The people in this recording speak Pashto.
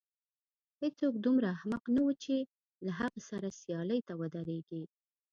هېڅوک دومره احمق نه و چې له هغه سره سیالۍ ته ودرېږي.